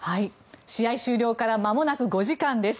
試合終了からまもなく５時間です。